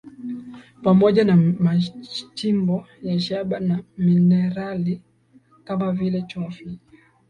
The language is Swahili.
pamoja na machimbo ya shaba na minerali kama vile chumvi